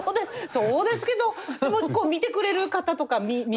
そうですけどこう見てくれる方とか見れる。